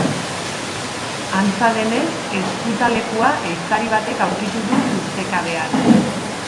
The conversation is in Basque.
Antza denez, ezkutalekua ehiztari batek aurkitu du ustekabean.